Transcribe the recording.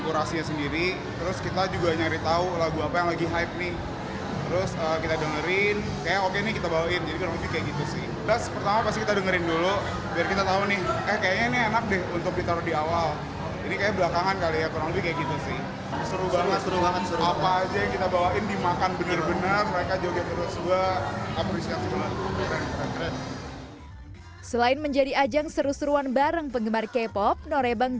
kurasinya sendiri terus kita juga nyari tahu lagu apa yang lagi hype nih terus kita dengerin ya oke